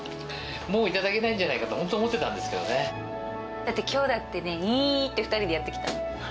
もう頂けないんじゃないかと、だってきょうだってね、いーって２人でやってきたの。